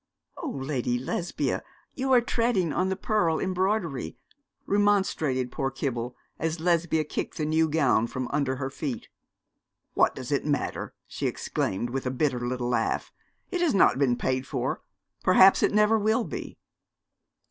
'Oh, Lady Lesbia, you are treading on the pearl embroidery,' remonstrated poor Kibble, as Lesbia kicked the new gown from under her feet. 'What does it matter!' she exclaimed with a bitter little laugh. 'It has not been paid for perhaps it never will be.'